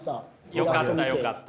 よかったよかった。